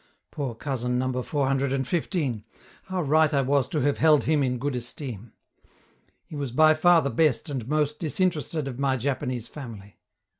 Poor cousin Number 415! how right I was to have held him in good esteem! He was by far the best and most disinterested of my Japanese family.